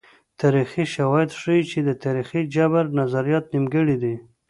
تاریخي شواهد ښيي چې د تاریخي جبر نظریات نیمګړي دي.